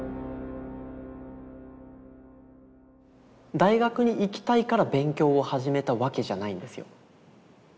大学に行きたいから勉強を始めたわけじゃないんですよ。